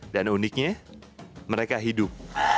dan uniknya mereka hidup